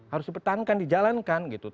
harus dipertahankan dijalankan gitu